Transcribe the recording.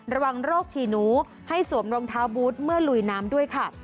ระวังโรคฉี่หนูให้สวมรองเท้าบูธเมื่อลุยน้ำด้วยค่ะ